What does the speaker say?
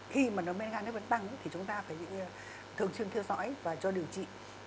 khi mà mẹn gan nó vẫn tăng thì chúng ta phải thường trưng theo dõi và cho điều trị